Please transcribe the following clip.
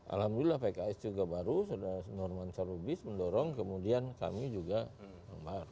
alhamdulillah pks juga baru sudah norman charubis mendorong kemudian kami juga mendorong